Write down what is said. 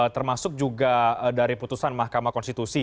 termasuk juga dari putusan mahkamah konstitusi